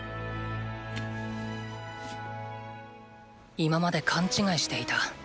今まで勘違いしていた。